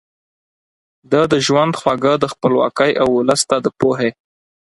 ده د ژوند خواږه د خپلواکۍ او ولس ته د پوهې